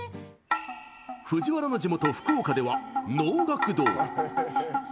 藤原の地元・福岡では能楽堂。